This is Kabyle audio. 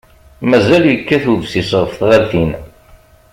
Mazal yekkat websis ɣef tɣaltin.